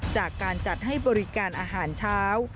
จากการจัดให้บริการอาหารเช้า